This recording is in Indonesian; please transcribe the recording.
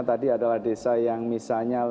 tadi adalah desa yang misalnya